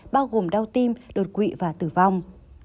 bao gồm đau tim đột quỵ và tử vong